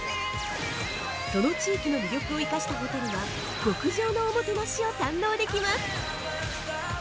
その地域の魅力を生かしたホテルは極上のおもてなしを堪能できます。